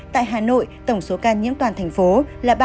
tại hà nội tổng số ca nhiễm toàn thành phố là ba mươi hai bốn mươi bốn ca